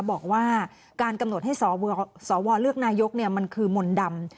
บอกว่าการกำหนดให้สวเลือกนายกมันคือมนต์ดำ